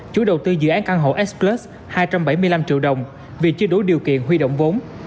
chủ đầu tư dự án căn hộ s plus hai trăm bảy mươi năm triệu đồng vì chưa đối điều kiện huy động vốn